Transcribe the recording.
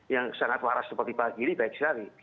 yang sangat waras seperti pak gili baik sekali